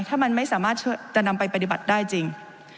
ถ้ามันไม่สามารถจะนำไปปฏิบัติได้จริง